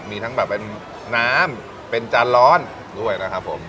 มีทั้งแบบเป็นน้ำเป็นจานร้อนด้วยนะครับผม